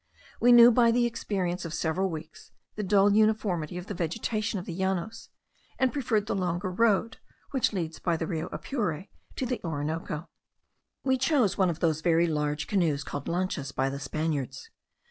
We knew by the experience of several weeks the dull uniformity of the vegetation of the Llanos, and preferred the longer road, which leads by the Rio Apure to the Orinoco. We chose one of those very large canoes called lanchas by the Spaniards.